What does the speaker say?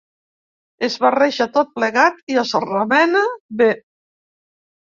Es barreja tot plegat i es remena bé.